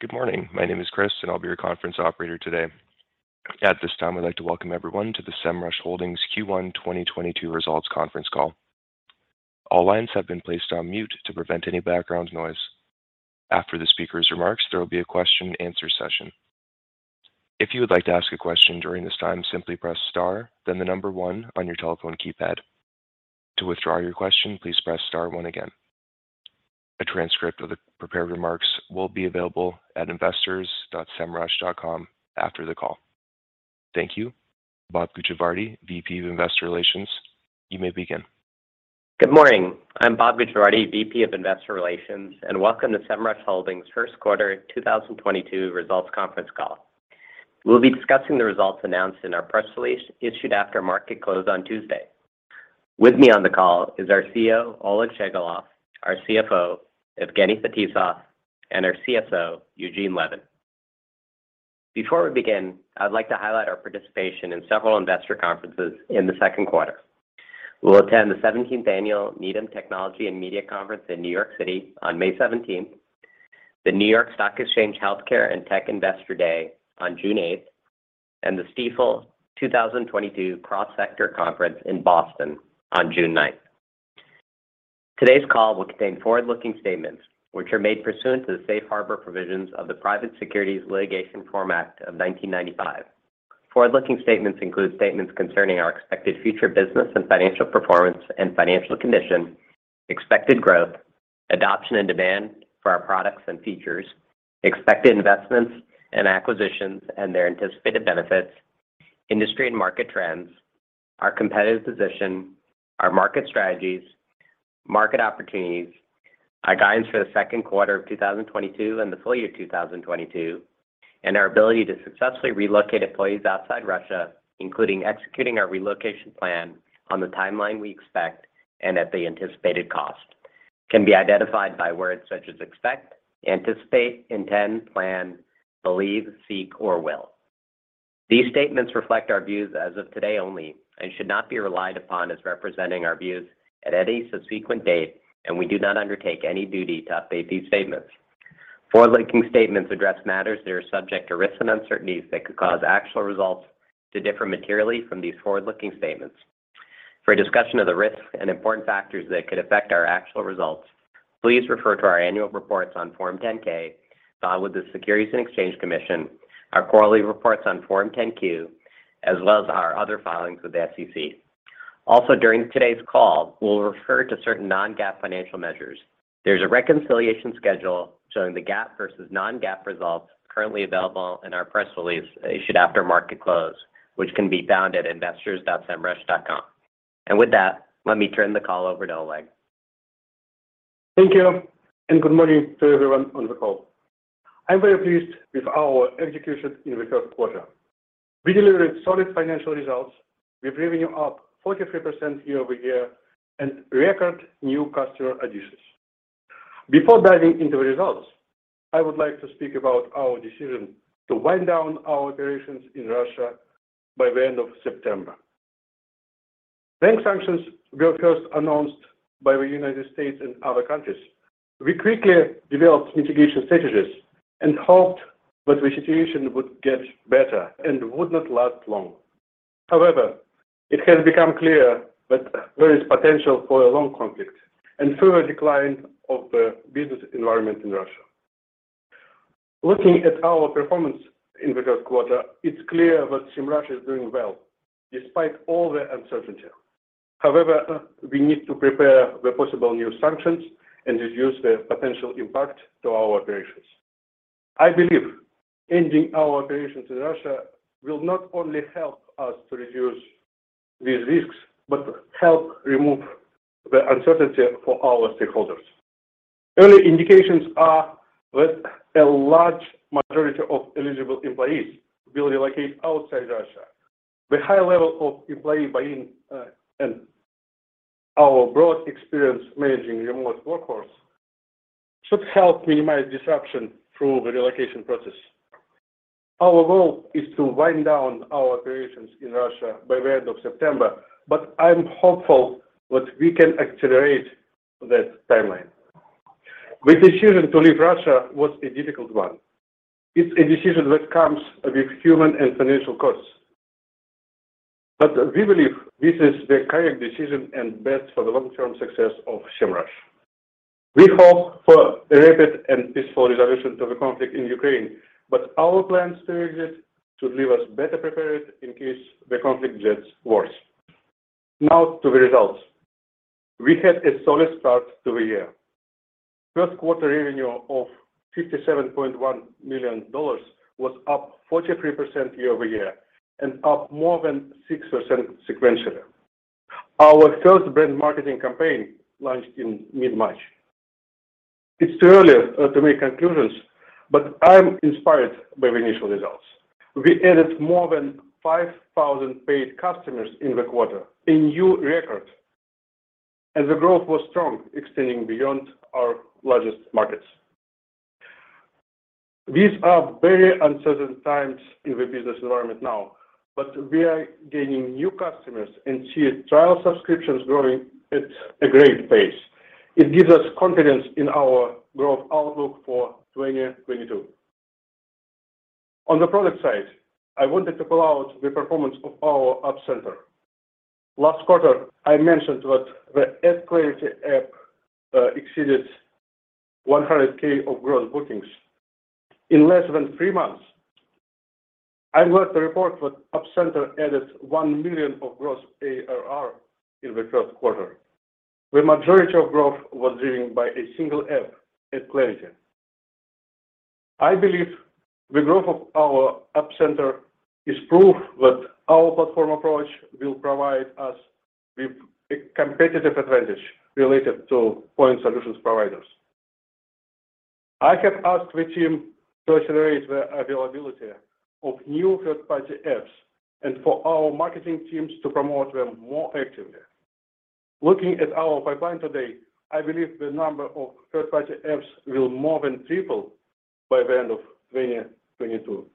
Good morning. My name is Chris, and I'll be your conference operator today. At this time, I'd like to welcome everyone to the Semrush Holdings Q1 2022 results Conference Call. All lines have been placed on mute to prevent any background noise. After the speaker's remarks, there will be a question and answer session. If you would like to ask a question during this time, simply press star then the number one on your telephone keypad. To withdraw your question, please press star one again. A transcript of the prepared remarks will be available at investors.semrush.com after the call. Thank you. Bob Gujavarty, VP of Investor Relations, you may begin. Good morning. I'm Bob Gujavarty, VP of Investor Relations, and welcome to Semrush Holdings Q1 2022 results Conference Call. We'll be discussing the results announced in our press release issued after market close on Tuesday. With me on the call is our CEO, Oleg Shchegolev, our CFO, Evgeny Fetisov, and our CSO, Eugene Levin. Before we begin, I'd like to highlight our participation in several investor conferences in Q2. We'll attend the 17th annual Needham Technology and Media Conference in New York City on May 17, the New York Stock Exchange Healthcare and Tech Investor Day on June 8, and the Stifel 2022 Cross Sector Conference in Boston on June 9. Today's call will contain forward-looking statements, which are made pursuant to the safe harbor provisions of the Private Securities Litigation Reform Act of 1995. Forward-looking statements include statements concerning our expected future business and financial performance and financial condition, expected growth, adoption and demand for our products and features, expected investments and acquisitions and their anticipated benefits, industry and market trends, our competitive position, our market strategies, market opportunities, our guidance for Q2 of 2022 and the full-year 2022, and our ability to successfully relocate employees outside Russia, including executing our relocation plan on the timeline we expect and at the anticipated cost. Can be identified by words such as expect, anticipate, intend, plan, believe, seek, or will. These statements reflect our views as of today only and should not be relied upon as representing our views at any subsequent date, and we do not undertake any duty to update these statements. Forward-looking statements address matters that are subject to risks and uncertainties that could cause actual results to differ materially from these forward-looking statements. For a discussion of the risks and important factors that could affect our actual results, please refer to our annual reports on Form 10-K, filed with the Securities and Exchange Commission, our quarterly reports on Form 10-Q, as well as our other filings with the SEC. Also during today's call, we'll refer to certain non-GAAP financial measures. There's a reconciliation schedule showing the GAAP versus non-GAAP results currently available in our press release issued after market close, which can be found at investors.semrush.com. With that, let me turn the call over to Oleg. Thank you, and good morning to everyone on the call. I'm very pleased with our execution in Q1. We delivered solid financial results with revenue up 43% year-over-year and record new customer additions. Before diving into the results, I would like to speak about our decision to wind down our operations in Russia by the end of September. The sanctions were first announced by the United States and other countries. We quickly developed mitigation strategies and hoped that the situation would get better and would not last long. However, it has become clear that there is potential for a long conflict and further decline of the business environment in Russia. Looking at our performance in Q3, it's clear that Semrush is doing well despite all the uncertainty. However, we need to prepare the possible new sanctions and reduce the potential impact to our operations. I believe ending our operations in Russia will not only help us to reduce these risks, but help remove the uncertainty for our stakeholders. Early indications are that a large majority of eligible employees will relocate outside Russia. The high-level of employee buy-in and our broad experience managing remote workforce should help minimize disruption through the relocation process. Our goal is to wind down our operations in Russia by the end of September, but I'm hopeful that we can accelerate that timeline. The decision to leave Russia was a difficult one. It's a decision that comes with human and financial costs. We believe this is the correct decision and best for the long-term success of Semrush. We hope for a rapid and peaceful resolution to the conflict in Ukraine, but our plans to exit should leave us better prepared in case the conflict gets worse. Now to the results. We had a solid start to the year. Q1 revenue of $57.1 million was up 43% year-over-year and up more than 6% sequentially. Our first brand marketing campaign launched in mid-March. It's too early to make conclusions, but I'm inspired by the initial results. We added more than 5,000 paid customers in the quarter, a new record, and the growth was strong, extending beyond our largest markets. These are very uncertain times in the business environment now. We are gaining new customers and see trial subscriptions growing at a great pace. It gives us confidence in our growth outlook for 2022. On the product side, I wanted to call out the performance of our App Center. Last quarter, I mentioned that the AdClarity app exceeded $100K of growth bookings. In less than three months, I'm glad to report that App Center added $1 million of gross ARR in Q1. The majority of growth was driven by a single app, AdClarity. I believe the growth of our App Center is proof that our platform approach will provide us with a competitive advantage-related to point solutions providers. I have asked the team to accelerate the availability of new third-party apps and for our marketing teams to promote them more effectively. Looking at our pipeline today, I believe the number of third-party apps will more than triple by the end of 2022.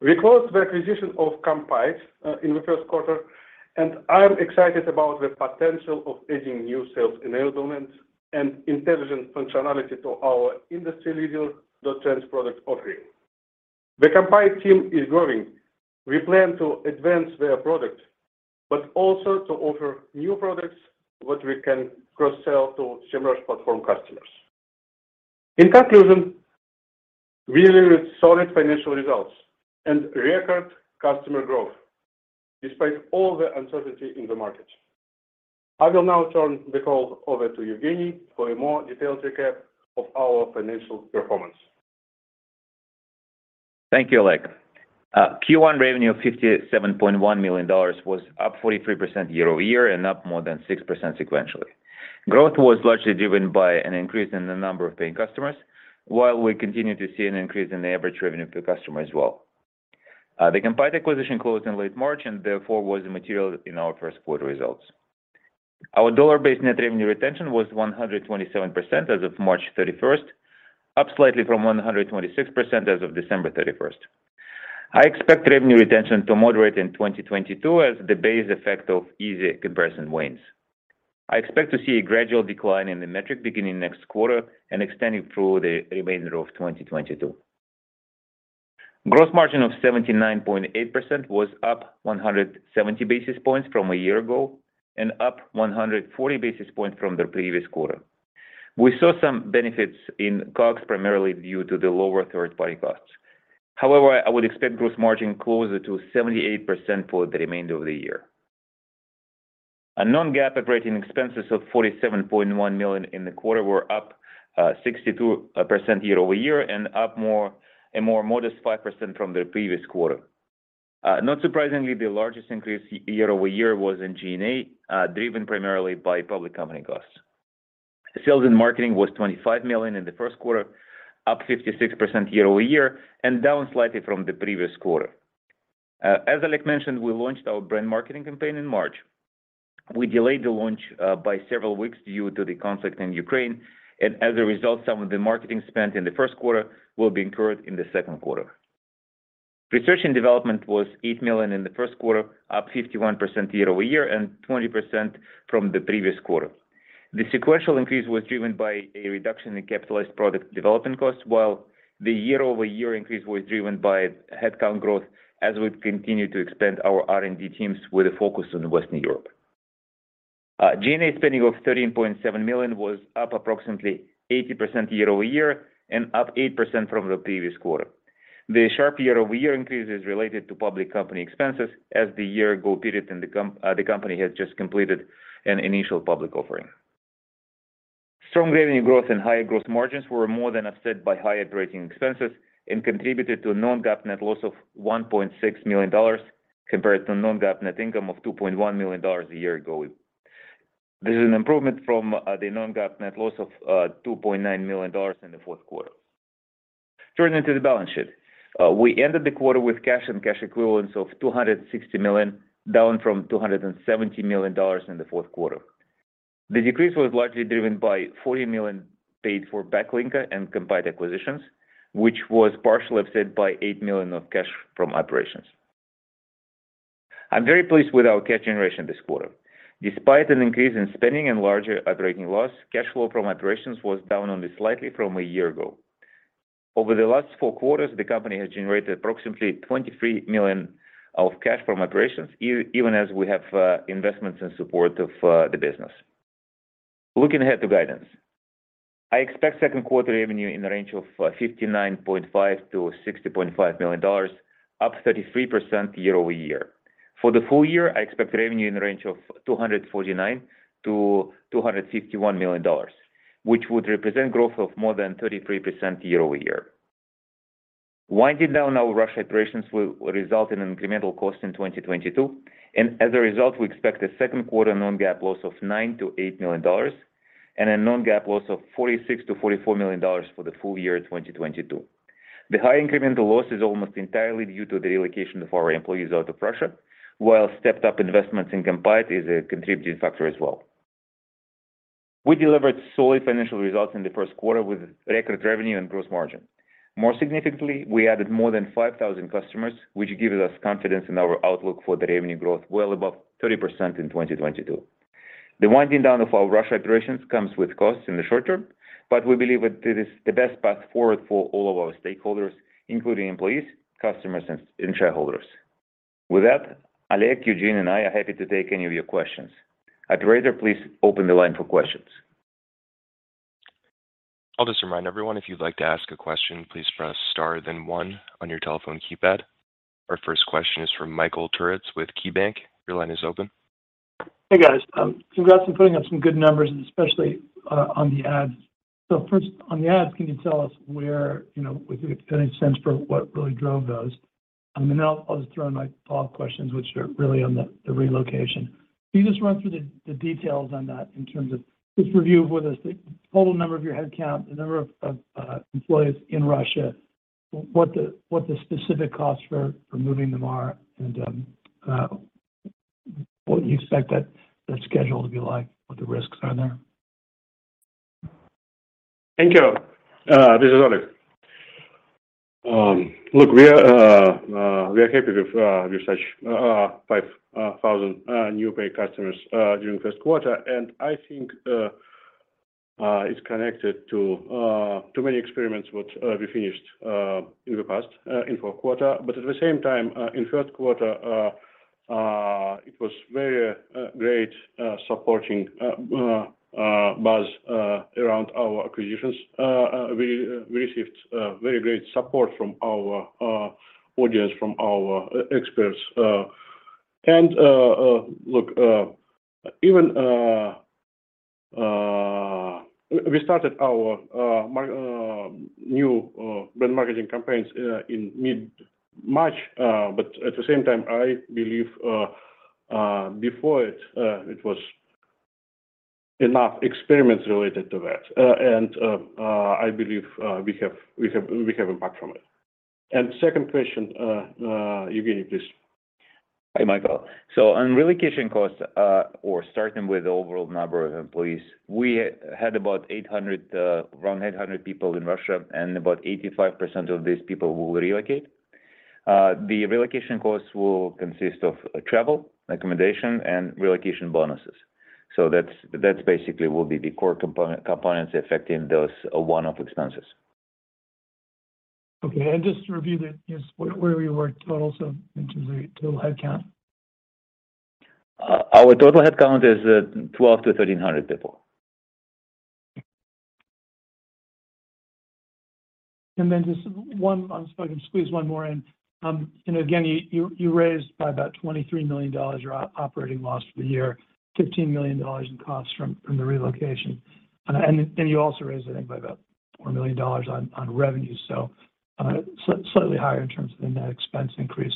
We closed the acquisition of Kompyte in Q1, and I am excited about the potential of adding new sales enablement and intelligent functionality to our industry leader, .Trends product offering. The Kompyte team is growing. We plan to advance their product, but also to offer new products that we can cross-sell to Semrush platform customers. In conclusion, we delivered solid financial results and record customer growth despite all the uncertainty in the market. I will now turn the call over to Evgeny for a more detailed recap of our financial performance. Thank you, Oleg. Q1 revenue of $57.1 million was up 43% year-over-year and up more than 6% sequentially. Growth was largely driven by an increase in the number of paying customers, while we continue to see an increase in the average revenue per customer as well. The combined acquisition closed in late March and therefore was immaterial in our Q1 results. Our dollar-based net revenue retention was 127% as of March 31, up slightly from 126% as of December 31. I expect revenue retention to moderate in 2022 as the base effect of easy comparison wanes. I expect to see a gradual decline in the metric beginning next quarter and extending through the remainder of 2022. Gross margin of 79.8% was up 170 basis points from a year ago and up 140 basis points from the previous quarter. We saw some benefits in COGS, primarily due to the lower third-party costs. However, I would expect gross margin closer to 78% for the remainder of the year. Non-GAAP operating expenses of $47.1 million in the quarter were up 62% year-over-year and up a more modest 5% from the previous quarter. Not surprisingly, the largest increase year-over-year was in G&A, driven primarily by public company costs. Sales and marketing was $25 million in Q1, up 56% year-over-year and down slightly from the previous quarter. As Oleg mentioned, we launched our brand marketing campaign in March. We delayed the launch by several weeks due to the conflict in Ukraine, and as a result, some of the marketing spent in Q1will be incurred in Q2. Research and development was $8 million in Q1, up 51% year-over-year and 20% from the previous quarter. The sequential increase was driven by a reduction in capitalized product development costs, while the year-over-year increase was driven by headcount growth as we continue to expand our R&D teams with a focus on Western Europe. G&A spending of $13.7 million was up approximately 80% year-over-year and up 8% from the previous quarter. The sharp year-over-year increase is related to public company expenses as the year-ago period and the company had just completed an initial public offering. Strong revenue growth and higher growth margins were more than offset by higher operating expenses and contributed to a non-GAAP net loss of $1.6 million compared to a non-GAAP net income of $2.1 million a year ago. This is an improvement from the non-GAAP net loss of $2.9 million in Q4. Turning to the balance sheet. We ended the quarter with cash and cash equivalents of $260 million, down from $270 million in Q4. The decrease was largely driven by $40 million paid for Backlinko and combined acquisitions, which was partially offset by $8 million of cash from operations. I'm very pleased with our cash generation this quarter. Despite an increase in spending and larger operating loss, cash flow from operations was down only slightly from a year ago. Over the last four quarters, the company has generated approximately $23 million of cash from operations even as we have investments in support of the business. Looking ahead to guidance. I expect Q2 revenue in the range of $59.5-$60.5 million, up 33% year-over-year. For the full-year, I expect revenue in the range of $249-$251 million, which would represent growth of more than 33% year-over-year. Winding down our Russia operations will result in incremental cost in 2022, and as a result, we expect a Q2 non-GAAP loss of $9 million-$8 million and a non-GAAP loss of $46 million-$44 million for the full-year 2022. The high incremental loss is almost entirely due to the relocation of our employees out of Russia, while stepped up investments in Kompyte is a contributing factor as well. We delivered solid financial results in the Q1 with record revenue and gross margin. More significantly, we added more than 5,000 customers, which gives us confidence in our outlook for the revenue growth well above 30% in 2022. The winding down of our Russia operations comes with costs in the short-term, but we believe it is the best path forward for all of our stakeholders, including employees, customers, and shareholders. With that, Oleg, Evgeny, and I are happy to take any of your questions. Operator, please open the line for questions. I'll just remind everyone, if you'd like to ask a question, please press star then one on your telephone keypad. Our first question is from Michael Turits with KeyBanc. Your line is open. Hey, guys. Congrats on putting up some good numbers, especially on the ads. First, on the ads, can you tell us where, you know, if you could give any sense for what really drove those? Then I'll just throw in my follow-up questions, which are really on the relocation. Can you just run through the details on that in terms of just review with us the total number of your head count, the number of employees in Russia, what the specific costs for moving them are, and what you expect that schedule to be like, what the risks are there? Thank you. This is Oleg. Look, we are happy with such 5,000 new paid customers during Q1. I think it's connected to many experiments which we finished in the past in Q4. At the same time, in Q1, it was very great supporting buzz around our acquisitions. We received very great support from our audience, from our experts. Look, even we started our new brand marketing campaigns in mid-March. At the same time, I believe before it was enough experiments-related to that. I believe we have impact from it. Second question, Evgeny, please. Hi, Michael. On relocation costs, or starting with the overall number of employees, we had about 800 people in Russia, and about 85% of these people will relocate. The relocation costs will consist of travel, accommodation, and relocation bonuses. That's basically will be the core components affecting those one-off expenses. Okay. Just to review just where you were totals of in terms of total head count. Our total headcount is 1,200-1,300 people. Then just one. If I can squeeze one more in. You know, again, you raised by about $23 million your operating loss for the year, $15 million in costs from the relocation. You also raised I think by about $4 million on revenue. Slightly higher in terms of the net expense increase.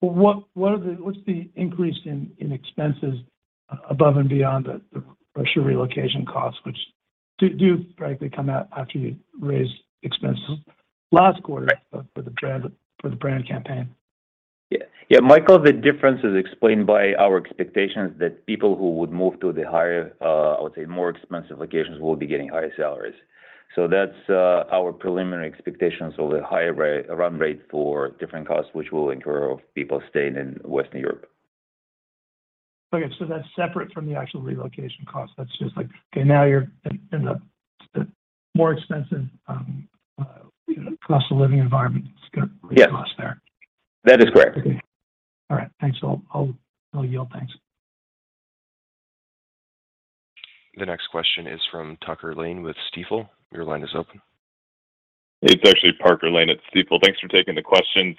What are the— what's the increase in expenses above and beyond the Russia relocation costs, which frankly come out after you raised expenses last quarter for the brand campaign? Yeah. Michael, the difference is explained by our expectations that people who would move to the higher, I would say more expensive locations will be getting higher salaries. That's our preliminary expectations of the higher run rate for different costs which we'll incur of people staying in Western Europe. That's separate from the actual relocation cost. That's just like, okay, now you're in a more expensive cost of living environment. It's gonna. Yeah. Be a cost there. That is correct. Okay. All right. Thanks. I'll yield. Thanks. The next question is from J. Parker Lane with Stifel. Your line is open. It's actually Parker Lane at Stifel. Thanks for taking the questions.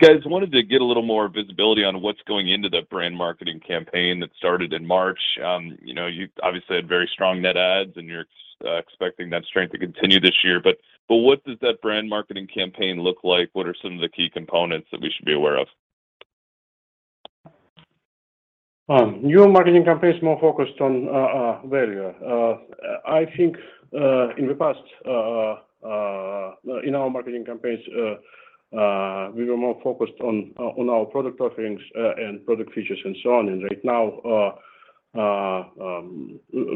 Guys, wanted to get a little more visibility on what's going into the brand marketing campaign that started in March. You know, you obviously had very strong net adds, and you're expecting that strength to continue this year. What does that brand marketing campaign look like? What are some of the key components that we should be aware of? New marketing campaign is more focused on value. I think in the past in our marketing campaigns we were more focused on our product offerings and product features and so on. Right now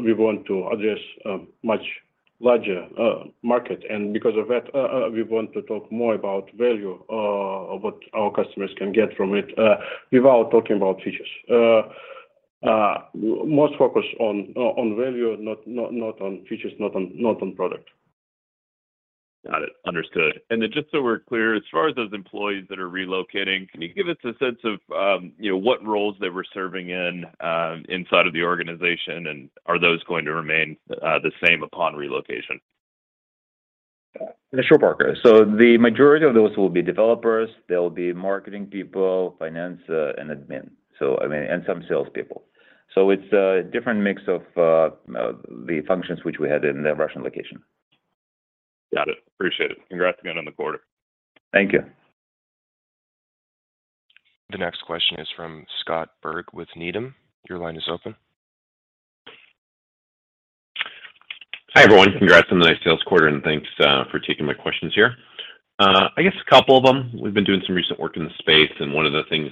we want to address a much larger market. Because of that we want to talk more about value of what our customers can get from it without talking about features. Most focus on value, not on features, not on product. Got it. Understood. Just so we're clear, as far as those employees that are relocating, can you give us a sense of, you know, what roles they were serving in, inside of the organization, and are those going to remain, the same upon relocation? Yeah. Sure, Parker. The majority of those will be developers. They'll be marketing people, finance, and admin, so I mean, and some salespeople. It's a different mix of the functions which we had in the Russian location. Got it. Appreciate it. Congrats again on the quarter. Thank you. The next question is from Scott Berg with Needham. Your line is open. Hi, everyone. Congrats on the nice sales quarter, and thanks for taking my questions here. I guess a couple of them. We've been doing some recent work in the space, and one of the things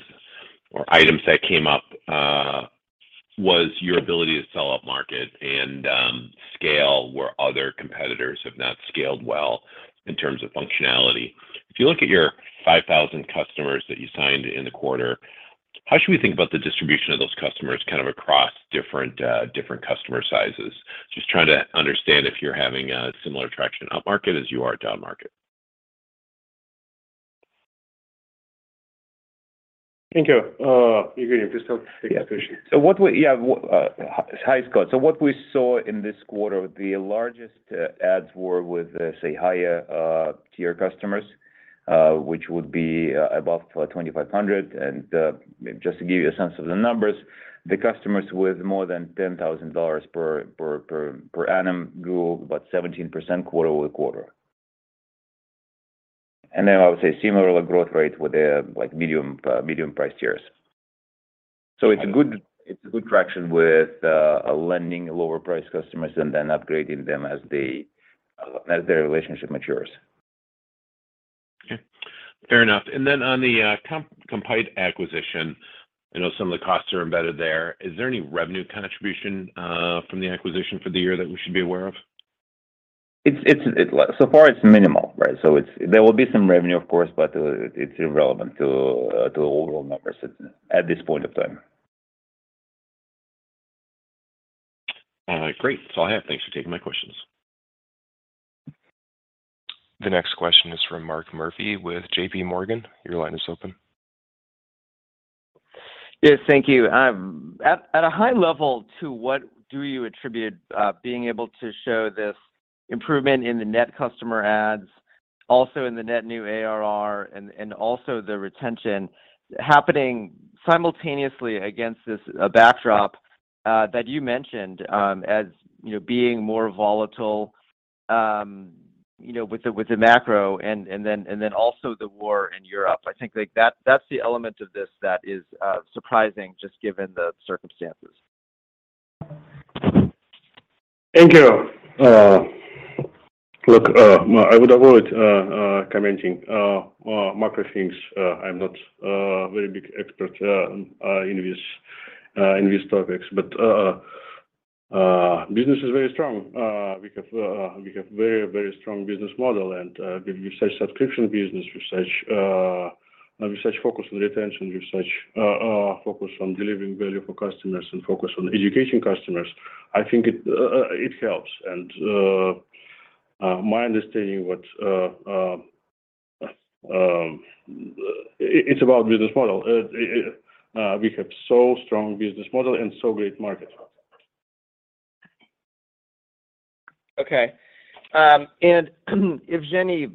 or items that came up was your ability to sell upmarket and scale where other competitors have not scaled well in terms of functionality. If you look at your 5,000 customers that you signed in the quarter, how should we think about the distribution of those customers kind of across different customer sizes? Just trying to understand if you're having a similar traction upmarket as you are downmarket. Thank you. Evgeny, please tell the execution. Hi, Scott. What we saw in this quarter, the largest adds were with, say, higher tier customers, which would be above $2,500. Just to give you a sense of the numbers, the customers with more than $10,000 per annum grew about 17% quarter-over-quarter. Then I would say similar growth rate with the, like, medium price tiers. It's a good traction with landing lower price customers and then upgrading them as their relationship matures. Okay. Fair enough. On the Kompyte acquisition, I know some of the costs are embedded there. Is there any revenue contribution from the acquisition for the year that we should be aware of? So far, it's minimal, right? There will be some revenue, of course, but it's irrelevant to the overall numbers at this point of time. Great. That's all I have. Thanks for taking my questions. The next question is from Mark Murphy with JP Morgan. Your line is open. Yes, thank you. At a high-level, to what do you attribute being able to show this improvement in the net customer adds, also in the net new ARR, and also the retention happening simultaneously against this backdrop that you mentioned, as you know, being more volatile, you know, with the macro and then also the war in Europe? I think, like, that's the element of this that is surprising just given the circumstances. Thank you. Look, Mark, I would avoid commenting macro things. I'm not very big expert in these topics. Business is very strong. We have very strong business model. With such subscription business, with such focus on retention, with such focus on delivering value for customers and focus on educating customers, I think it helps. My understanding it's about business model. We have so strong business model and so great market. Okay. Evgeny,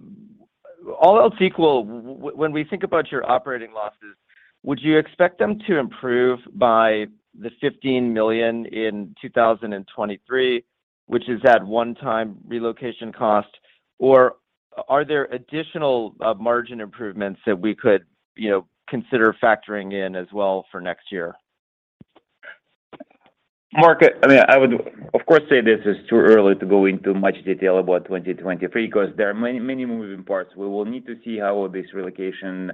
all else equal, when we think about your operating losses, would you expect them to improve by the $15 million in 2023, which is that one-time relocation cost? Or are there additional, margin improvements that we could, you know, consider factoring in as well for next year? Mark, I mean, I would of course say this is too early to go into much detail about 2023 'cause there are many, many moving parts. We will need to see how this relocation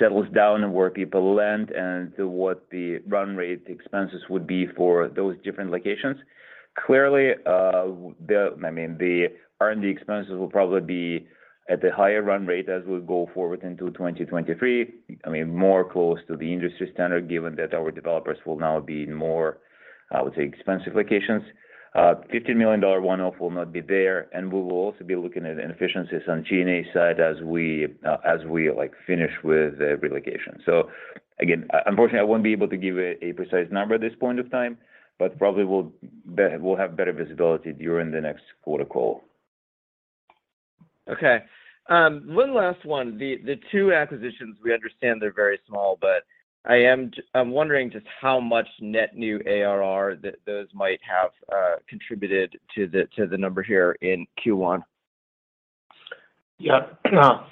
settles down, where people land, and to what the run rate expenses would be for those different locations. Clearly, I mean, the R&D expenses will probably be at the higher run rate as we go forward into 2023, I mean, more close to the industry standard given that our developers will now be in more, I would say, expensive locations. $15 million one-off will not be there, and we will also be looking at inefficiencies on G&A side as we, like, finish with the relocation. Again, unfortunately, I won't be able to give a precise number at this point of time, but probably we'll have better visibility during the next quarter call. Okay. One last one. The two acquisitions, we understand they're very small, but I'm wondering just how much net new ARR that those might have contributed to the number here in Q1? Yeah.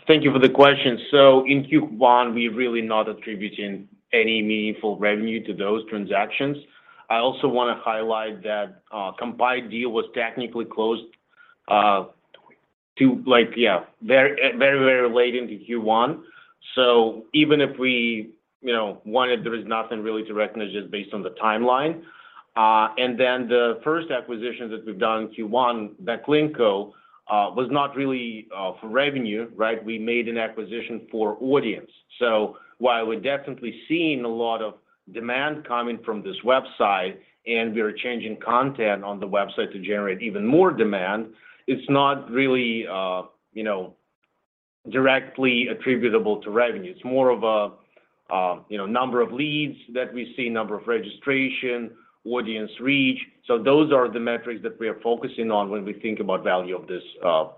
Thank you for the question. In Q1, we're really not attributing any meaningful revenue to those transactions. I also wanna highlight that, Kompyte deal was technically closed, to like, very late into Q1. Even if we, you know, wanted, there is nothing really to recognize just based on the timeline. Then the first acquisition that we've done in Q1, Backlinko, was not really, for revenue, right? We made an acquisition for audience. While we're definitely seeing a lot of demand coming from this website, and we are changing content on the website to generate even more demand, it's not really, you know, directly attributable to revenue. It's more of a, you know, number of leads that we see, number of registration, audience reach. Those are the metrics that we are focusing on when we think about value of this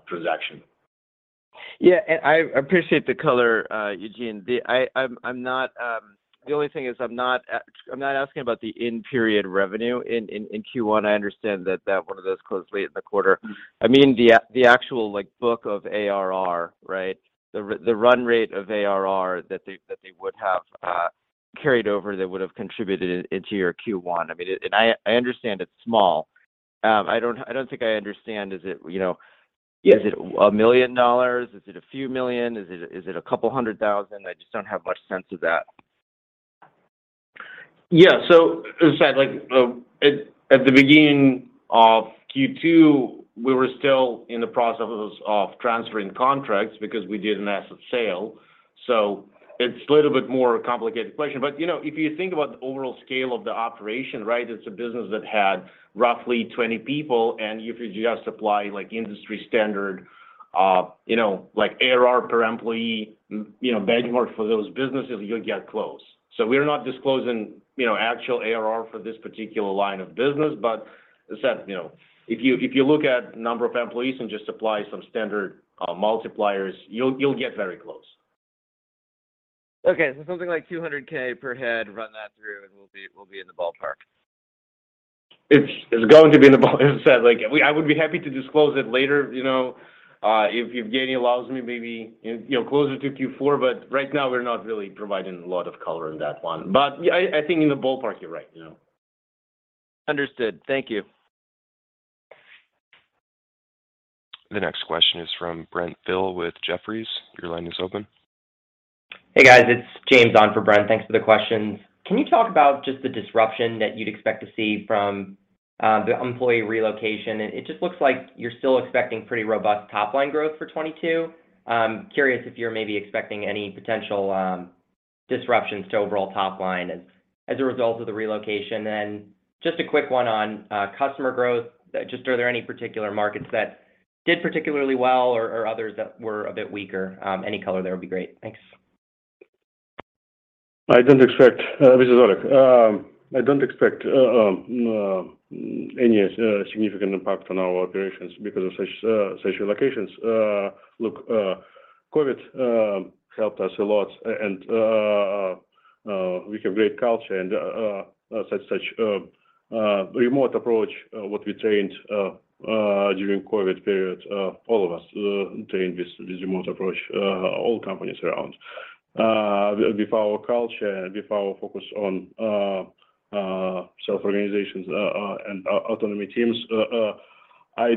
transaction. Yeah. I appreciate the color, Evgeny. I'm not asking about the in-period revenue in Q1. I understand that one of those closed late in the quarter. I mean the actual, like, book of ARR, right? The run rate of ARR that they would have carried over that would have contributed into your Q1. I mean, I understand it's small. I don't think I understand, is it, you know- Yeah. Is it $1 million? Is it a few million? Is it $200,000? I just don't have much sense of that. Yeah. As I said, like, at the beginning of Q2, we were still in the process of transferring contracts because we did an asset sale, so it's a little bit more complicated question. You know, if you think about the overall scale of the operation, right? It's a business that had roughly 20 people, and if you just apply like industry standard, you know, like ARR per employee, benchmark for those businesses, you'll get close. We're not disclosing, you know, actual ARR for this particular line of business. As I said, you know, if you look at number of employees and just apply some standard multipliers, you'll get very close. Okay. Something like $200K per head, run that through and we'll be in the ballpark. It's going to be in the ballpark. As I said, I would be happy to disclose it later, you know, if Gainy allows me maybe in, you know, closer to Q4, but right now we're not really providing a lot of color on that one. But yeah, I think in the ballpark, you're right. You know. Understood. Thank you. The next question is from Brent Thill with Jefferies. Your line is open. Hey guys, it's James on for Brent Thill. Thanks for the questions. Can you talk about just the disruption that you'd expect to see from the employee relocation? It just looks like you're still expecting pretty robust top line growth for 2022. I'm curious if you're maybe expecting any potential disruptions to overall top line as a result of the relocation. Just a quick one on customer growth. Just are there any particular markets that did particularly well or others that were a bit weaker? Any color there would be great. Thanks. This is Oleg. I don't expect any significant impact on our operations because of such relocations. Look, COVID helped us a lot and we have great culture and such remote approach that we trained during COVID period. All of us trained with this remote approach, all companies around. With our culture and with our focus on self-organizations and autonomy teams, I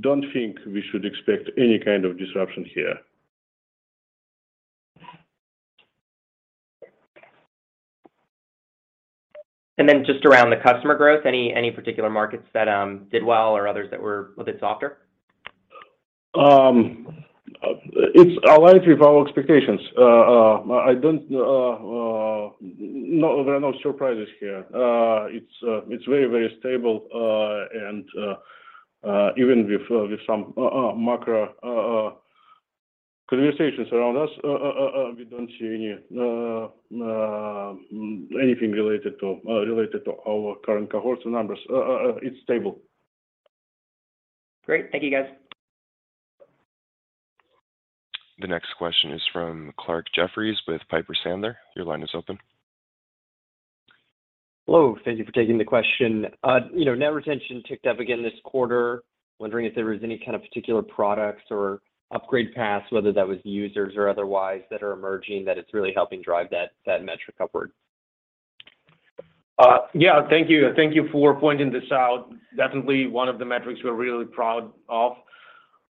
don't think we should expect any kind of disruption here. Just around the customer growth, any particular markets that did well or others that were a bit softer? It's aligned with our expectations. No, there are no surprises here. It's very, very stable. Even with some macro conversations around us, we don't see anything related to our current cohort numbers. It's stable. Great. Thank you, guys. The next question is from Clarke Jeffries with Piper Sandler. Your line is open. Hello. Thank you for taking the question. You know, net retention ticked up again this quarter. Wondering if there was any kind of particular products or upgrade paths, whether that was users or otherwise, that are emerging, that it's really helping drive that metric upward. Yeah. Thank you. Thank you for pointing this out. Definitely one of the metrics we're really proud of.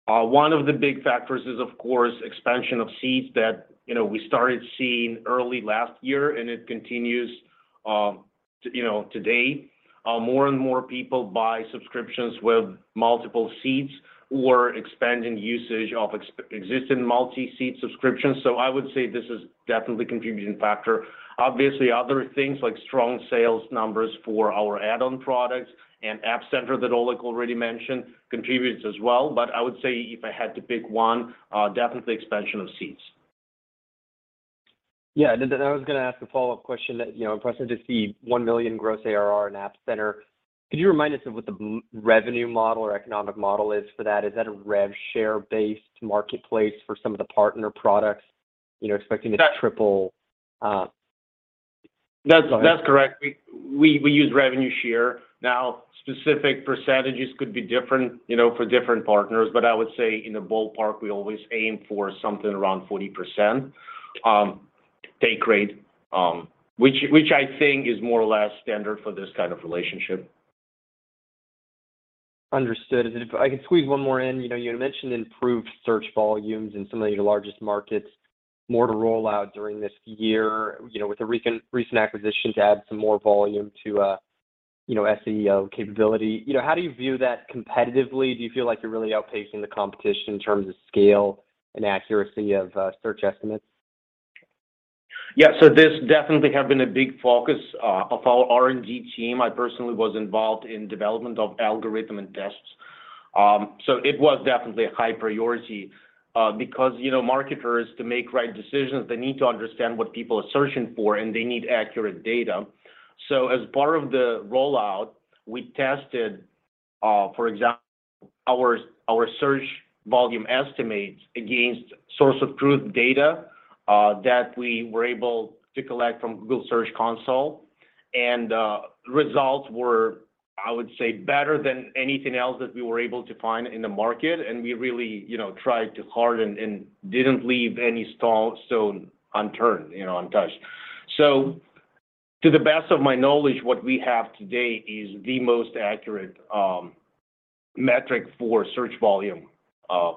One of the big factors is, of course, expansion of seats that, you know, we started seeing early last year, and it continues, you know, to date. More and more people buy subscriptions with multiple seats or expanding usage of existing multi-seat subscriptions. I would say this is definitely contributing factor. Obviously, other things like strong sales numbers for our add-on products and App Center that Oleg already mentioned contributes as well. I would say if I had to pick one, definitely expansion of seats. Yeah. I was gonna ask a follow-up question that, you know, impressive to see $1 million gross ARR in App Center. Could you remind us of what the revenue model or economic model is for that? Is that a rev share-based marketplace for some of the partner products, you know, expecting to triple? That's correct. We use revenue share. Now, specific percentages could be different, you know, for different partners, but I would say in the ballpark, we always aim for something around 40%, take rate, which I think is more or less standard for this kind of relationship. Understood. If I could squeeze one more in. You know, you had mentioned improved search volumes in some of your largest markets. More to roll out during this year, you know, with the recent acquisition to add some more volume to, you know, SEO capability. You know, how do you view that competitively? Do you feel like you're really outpacing the competition in terms of scale and accuracy of search estimates? Yeah. This definitely have been a big focus of our R&D team. I personally was involved in development of algorithm and tests. It was definitely a high-priority because, you know, marketers, to make right decisions, they need to understand what people are searching for, and they need accurate data. As part of the rollout, we tested, for example, our search volume estimates against source of truth data that we were able to collect from Google Search Console. Results were, I would say, better than anything else that we were able to find in the market, and we really, you know, tried to harden and didn't leave any stone unturned, you know, untouched. To the best of my knowledge, what we have today is the most accurate metric for search volume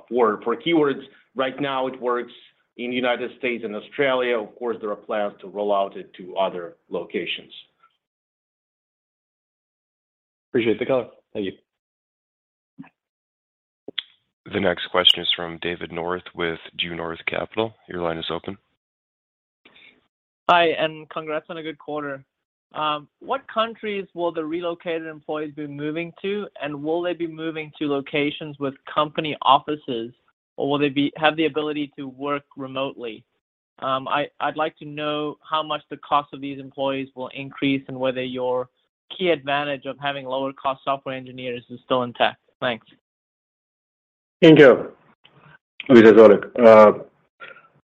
for keywords. Right now it works in the United States and Australia. Of course, there are plans to roll out into other locations. Appreciate the color. Thank you. The next question is from David North with Due North Capital. Your line is open. Hi, congrats on a good quarter. What countries will the relocated employees be moving to, and will they be moving to locations with company offices, or will they have the ability to work remotely? I'd like to know how much the cost of these employees will increase and whether your key advantage of having lower cost software engineers is still intact. Thanks. Thank you. This is Oleg.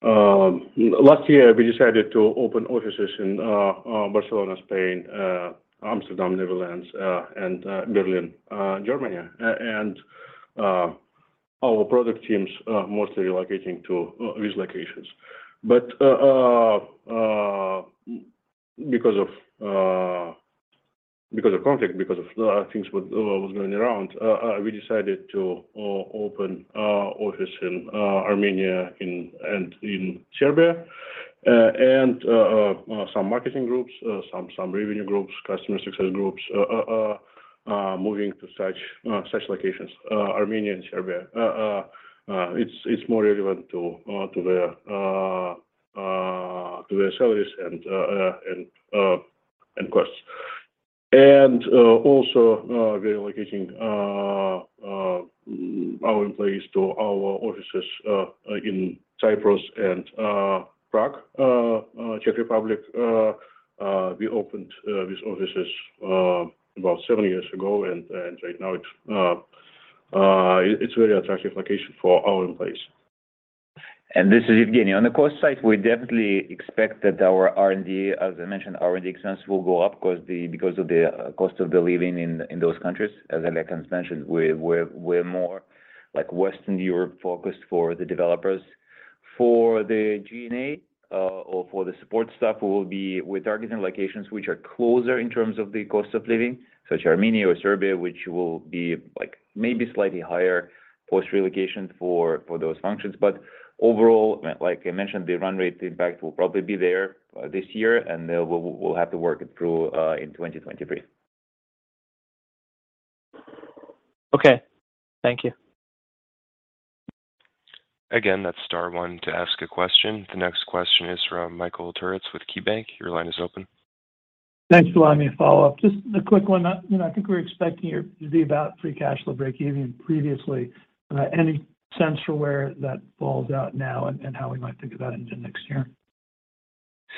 Last year, we decided to open offices in Barcelona, Spain, Amsterdam, Netherlands, and Berlin, Germany. Our product teams are mostly relocating to these locations. Because of conflict, because of things with what's going around, we decided to open office in Armenia and in Serbia. Some marketing groups, some revenue groups, customer success groups are moving to such locations, Armenia and Serbia. It's more relevant to their salaries and costs. Also relocating our employees to our offices in Cyprus and Prague, Czech Republic. We opened these offices about seven years ago, and right now it's really attractive location for our employees. This is Evgeny. On the cost side, we definitely expect that our R&D, as I mentioned, our R&D expense will go up because of the cost of living in those countries. As Oleg Shchegolev mentioned, we're more like Western Europe-focused for the developers. For the G&A, or for the support staff, we're targeting locations which are closer in terms of the cost of living, such as Armenia or Serbia, which will be like maybe slightly higher post relocation for those functions. Overall, like I mentioned, the run rate impact will probably be there this year, and then we'll have to work it through in 2023. Okay. Thank you. Again, that's star one to ask a question. The next question is from Michael Turits with KeyBanc. Your line is open. Thanks. Allow me to follow up. Just a quick one. You know, I think we're expecting here to be about free cash flow breakeven previously. Any sense for where that falls out now and how we might think about into next year?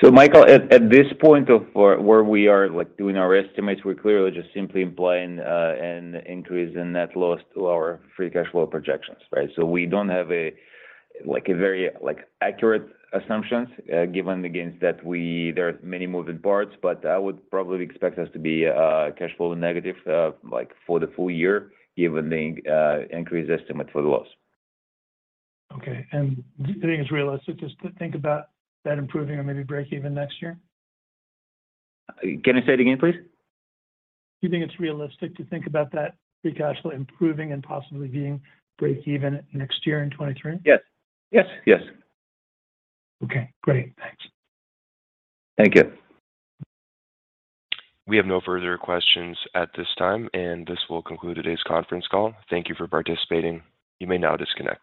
Michael, at this point where we are, like, doing our estimates, we're clearly just simply implying an increase in net loss to our free cash flow projections, right? We don't have, like, a very, like, accurate assumptions, given that there are many moving parts, but I would probably expect us to be cash flow negative, like, for the full-year given the increased estimate for the loss. Okay. Do you think it's realistic just to think about that improving or maybe breakeven next year? Can you say it again, please? Do you think it's realistic to think about that free cash flow improving and possibly being breakeven next year in 2023? Yes. Yes? Yes. Okay, great. Thanks. Thank you. We have no further questions at this time, and this will conclude today's Conference Call. Thank you for participating. You may now disconnect.